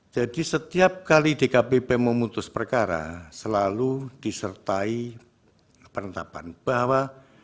jadi setiap kali dkpp memutus perkara selalu disertai penetapan bahwa